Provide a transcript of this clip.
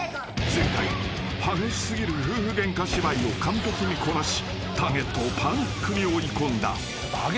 ［前回激し過ぎる夫婦ゲンカ芝居を完璧にこなしターゲットをパニックに追い込んだ］